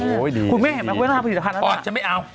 โอ้โหดีคุณแม่เห็นไหมว่าเวลาผิดภัณฑ์แล้วนะอ่อจะไม่เอา